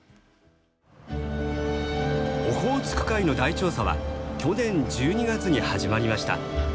オホーツク海の大調査は去年１２月に始まりました。